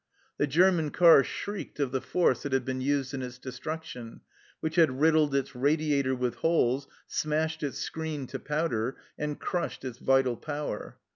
The German car shrieked of the force that had been used in its destruction, which had riddled its radiator with holes, smashed its screen to powder, and crushed its vital power.